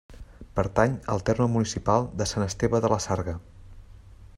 Pertany al terme municipal de Sant Esteve de la Sarga.